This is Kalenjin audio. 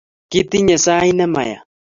Kitinye sait nemayaa